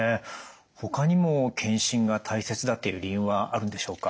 ほかにも検診が大切だっていう理由はあるんでしょうか？